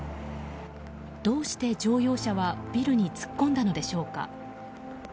どうして乗用車はビルに突っ込んだのでしょうか。